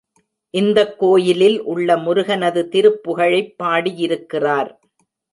இந்தக் கோயிலில் உள்ள முருகனது திருப்புகழைப் பாடியிருக்கிறார்.